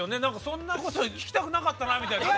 そんなこと聞きたくなかったなみたいな。